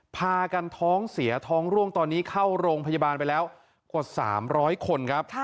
พากันท้องเสียท้องร่วงตอนนี้เข้าโรงพยาบาลไปแล้วกว่า๓๐๐คนครับ